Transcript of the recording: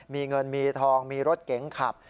มีเงินมีทองมีรถเก๋งขับ